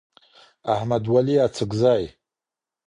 احمد ولي اڅکزی